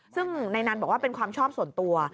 ซึ่งนายนันบอกว่าเป็นความชอบส่วนตัว